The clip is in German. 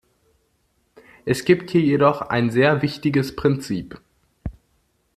Es gibt hier jedoch ein sehr wichtiges Prinzip.